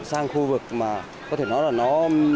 sang khu vực mà có thể nói là nó